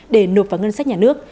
để nộp vào ngân sách nhà nước